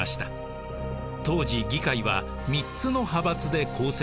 当時議会は３つの派閥で構成されました。